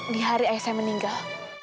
di hari ayah saya meninggal